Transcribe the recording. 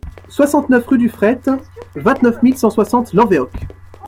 soixante-neuf rue du Fret, vingt-neuf mille cent soixante Lanvéoc